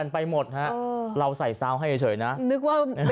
ประวัติภาพเจอเอง